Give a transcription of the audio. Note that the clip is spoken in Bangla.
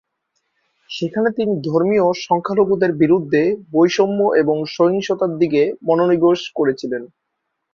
সেখানে তিনি ধর্মীয় সংখ্যালঘুদের বিরুদ্ধে বৈষম্য এবং সহিংসতার দিকে মনোনিবেশ করেছিলেন।